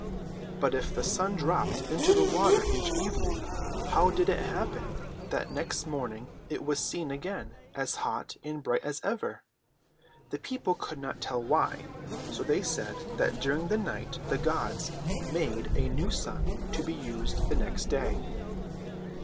"But if the sun dropped into the water each evening, how did it happen that next morning it was seen again, as hot and bright as ever? The people could not tell why, so they said that during the night the gods made a new sun to be used the next day."